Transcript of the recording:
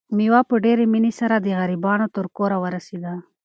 مېوه په ډېرې مینې سره د غریبانو تر کوره ورسېده.